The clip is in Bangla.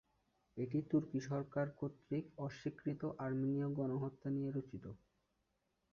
এটি তুর্কি সরকার কর্তৃক অস্বীকৃত আর্মেনীয় গণহত্যা নিয়ে রচিত।